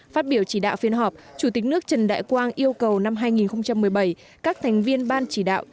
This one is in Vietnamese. phát biểu chỉ đạo phiên họp chủ tịch nước trần đại quang yêu cầu năm hai nghìn một mươi bảy các thành viên ban chỉ đạo